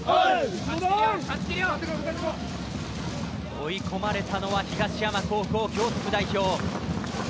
追い込まれたのは東山高校京都府代表。